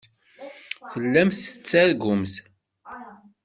Tellamt tettargumt.